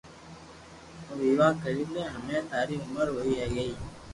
تو ويوا ڪري لي ھمي ٿاري عمر ھوئئي گئي